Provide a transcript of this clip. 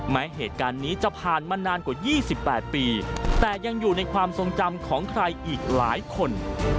แม้เหตุการณ์นี้จะผ่านมานานกว่า๒๘ปีแต่ยังอยู่ในความทรงจำของใครอีกหลายคน